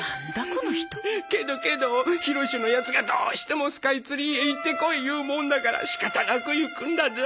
この人けどけどひろしのやつがどうしてもスカイツリーへ行ってこい言うもんだから仕方なく行くんだぞ。